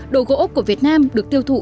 đổ gỗ của việt nam được tiêu thụ